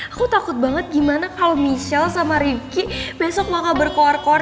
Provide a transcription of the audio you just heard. aku takut banget gimana kalo michelle sama rikki besok bakal berkor kor